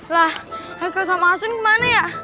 lah hekel sama asun kemana ya